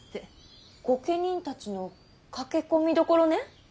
御家人たちの駆け込みどころね。